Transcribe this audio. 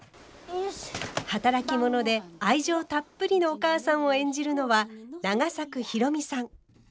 働き者で愛情たっぷりのお母さんを演じるのは永作博美さん。